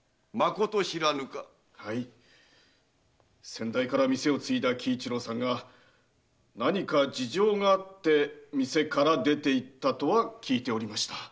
先代から店を継いだ喜一郎さんが何か事情があって店から出ていったとは聞いておりました。